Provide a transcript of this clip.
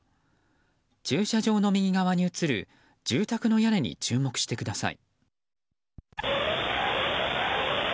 駐車場の右側に映る住宅の屋根に注目してください。